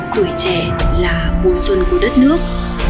tuổi trẻ là mùa xuân của đất nước